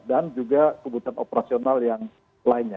dan juga kebutuhan operasional yang lainnya